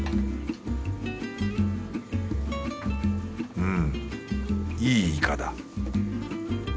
うんいいいかだ